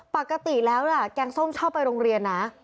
ปกติแล้วแกงส้มชอบไปโรงเรียนนะ